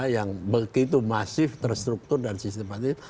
yang begitu masif terstruktur dan sistematis